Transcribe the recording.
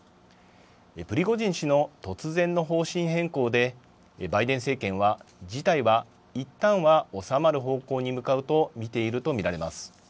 プリゴジン氏の突然の方針変更で、バイデン政権は、事態はいったんは収まる方向に向かうと見ていると見られます。